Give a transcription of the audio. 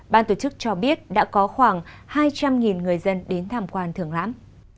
ban tổ chức cho biết đã có khoảng hai trăm linh người dân đến tham quan thường lãm